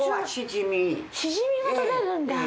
シジミが獲れるんだ。